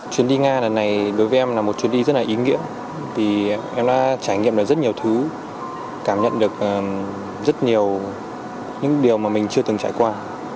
chuyến đi nga lần này đối với em là một chuyến đi rất là ý nghĩa vì em đã trải nghiệm được rất nhiều thứ cảm nhận được rất nhiều những điều mà mình chưa từng trải qua